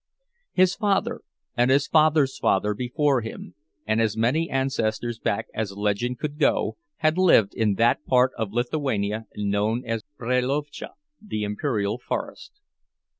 His father, and his father's father before him, and as many ancestors back as legend could go, had lived in that part of Lithuania known as Brelovicz, the Imperial Forest.